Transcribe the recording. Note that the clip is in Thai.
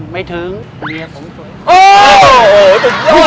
ไม่ถึงเมียผมสวย